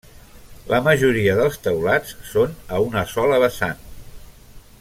La majoria dels teulats són a una sola vessant.